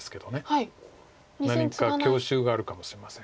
何か強襲があるかもしれません。